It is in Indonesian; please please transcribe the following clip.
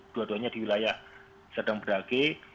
dua duanya di wilayah sedang berage